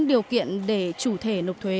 điều kiện để chủ thể nộp thuế